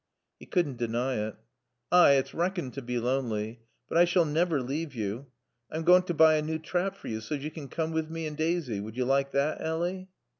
He couldn't deny it. "A'y; it's rackoned t' bae loanly. But I sall navver leaave yo. I'm goain' t' buy a new trap for yo, soa's yo can coom with mae and Daaisy. Would yo like thot, Ally?"